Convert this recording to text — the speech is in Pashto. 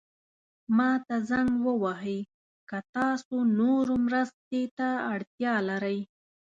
ما ته زنګ ووهئ که تاسو نورو مرستې ته اړتیا لرئ.